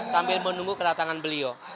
sambil menunggu kedatangan beliau